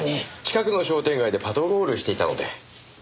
近くの商店街でパトロールしていたので。